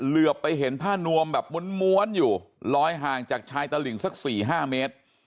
เหลือไปเห็นผ้านวมแบบม้วนอยู่ลอยห่างจากชายตลิ่งสัก๔๕เมตร